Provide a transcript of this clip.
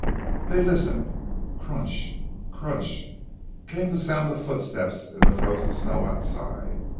They listened. Crunch! crunch! came the sound of footsteps in the frozen snow outside.